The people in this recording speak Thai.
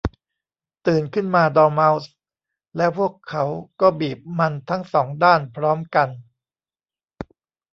'ตื่นขึ้นมาดอร์เม้าส์ !' แล้วพวกเขาก็บีบมันทั้งสองด้านพร้อมกัน